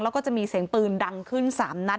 แล้วก็จะมีเสียงปืนดังขึ้น๓นัด